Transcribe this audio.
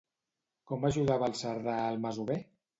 Com ajudava el Cerdà al masover?